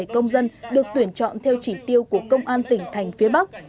một bảy trăm bảy mươi bảy công dân được tuyển chọn theo chỉ tiêu của công an tỉnh thành phía bắc